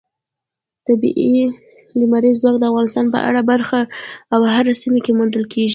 طبیعي لمریز ځواک د افغانستان په هره برخه او هره سیمه کې موندل کېږي.